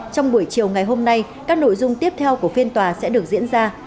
trong buổi chiều ngày hôm nay các nội dung tiếp theo của phiên tòa sẽ được diễn ra